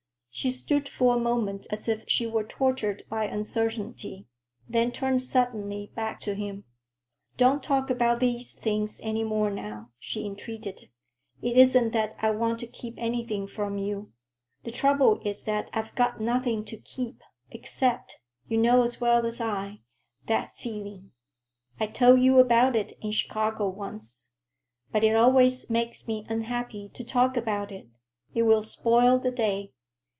She stood for a moment as if she were tortured by uncertainty, then turned suddenly back to him. "Don't talk about these things any more now," she entreated. "It isn't that I want to keep anything from you. The trouble is that I've got nothing to keep—except (you know as well as I) that feeling. I told you about it in Chicago once. But it always makes me unhappy to talk about it. It will spoil the day.